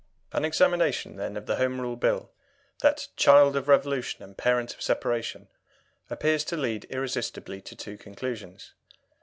An examination, then, of the Home Rule Bill, that "child of revolution and parent of separation," appears to lead irresistibly to two conclusions.